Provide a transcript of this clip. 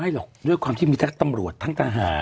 หรอกด้วยความที่มีทั้งตำรวจทั้งทหาร